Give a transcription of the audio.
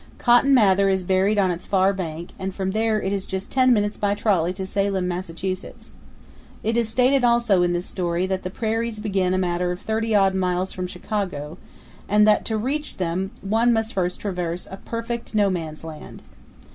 Cotton Mather is buried on its far bank, and from there it is just ten minutes by trolley to Salem, Massachusetts. It is stated also in this story that the prairies begin a matter of thirty odd miles from Chicago, and that to reach them one must first traverse a "perfect no man's land."